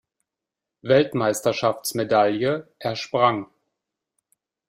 Weltmeisterschaftsmedaille ersprang.